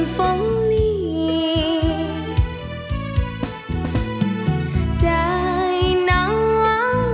เพลงและแ่ง